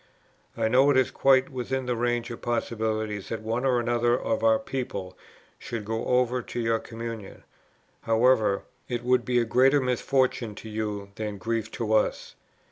I know it is quite within the range of possibilities that one or another of our people should go over to your communion; however, it would be a greater misfortune to you than grief to us.